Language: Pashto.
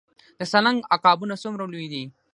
د سالنګ عقابونه څومره لوی دي؟